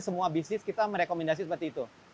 semua bisnis kita merekomendasi seperti itu